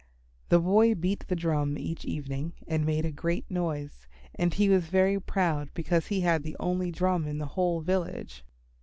The boy beat the drum each evening, and made a great noise, and he was very proud because he had the only drum in the whole village.